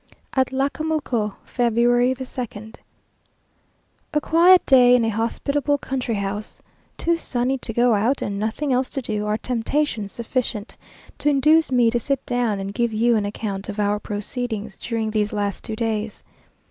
ATLACAMULCO, February 2nd. A quiet day in a hospitable country house, too sunny to go out, and nothing else to do, are temptations sufficient to induce me to sit down and give you an account of our proceedings during these last two days.